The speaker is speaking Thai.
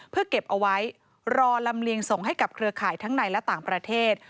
เพื่อเก็บเอาไว้รอลำเลียงส่งให้กับเครือข่ายทั้งในและต่างประเทศ